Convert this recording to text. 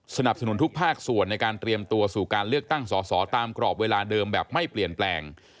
สนับสนุนทุกภาคส่วนในการเตรียมตัวสู่การเลือกตั้งสอสอตามกรอบเวลาเดิมแบบไม่เปลี่ยนแปลง